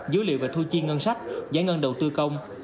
dữ liệu về thu chiên ngân sách giải ngân đầu tư công